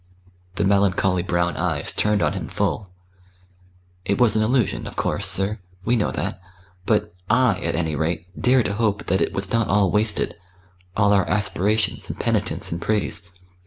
The melancholy brown eyes turned on him full. "It was an illusion, of course, sir we know that. But I, at any rate, dare to hope that it was not all wasted all our aspirations and penitence and praise.